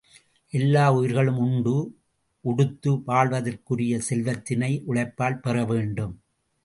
எல்லா உயிர்களும் உண்டு, உடுத்து வாழ்வதற்குரிய செல்வத்தினை உழைப்பால் பெறவேண்டும்.